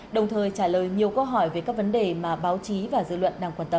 đồng thời trả lời nhiều câu hỏi về các vấn đề mà báo chí và dư luận đang quan tâm